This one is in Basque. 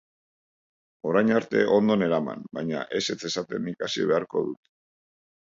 Orain arte ondo neraman, baina ezetz esaten ikasi beharko dut.